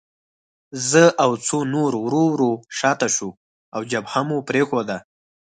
زه او څو نور ورو ورو شاته شوو او جبهه مو پرېښوده